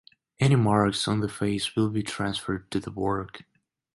Any marks on the face will be transferred to the work.